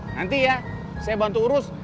nanti ya saya bantu urus